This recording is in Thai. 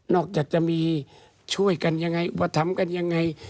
นอกจากจะมีช่วยกันอย่างไรอุปถัมภ์กันอย่างไร